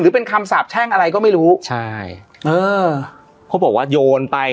เป็นคำสาบแช่งอะไรก็ไม่รู้ใช่เออเขาบอกว่าโยนไป